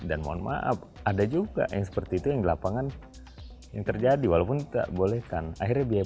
ada juga yang seperti itu yang lapangan yang terjadi walaupun tidak bolehkan akhirnya biaya